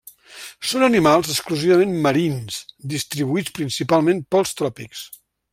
Són animals exclusivament marins distribuïts principalment pels tròpics.